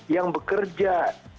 yang bekerja di kursleting listik